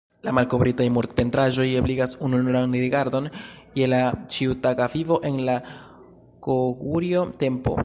La malkovritaj murpentraĵoj ebligas ununuran rigardon je la ĉiutaga vivo en la Kogurjo-tempo.